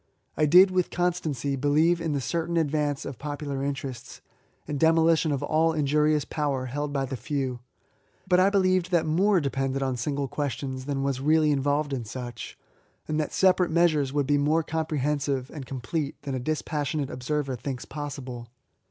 I did with constancy believe in the certain advance of popular interests, anddenio Ution of all injurious power held by the few ; but I believed that more depended on single questions than was really involved in such, and that sepa rate measures would be more comprehensive and complete than a dispassionate observer thinks pos sible.